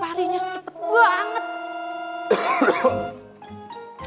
palinya tepet banget